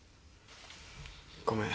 ごめん。